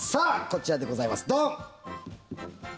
こちらでございます。